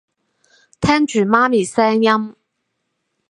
聽住媽咪聲音